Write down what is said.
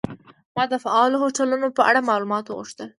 ما د فعالو هوټلونو په اړه معلومات وغوښتل.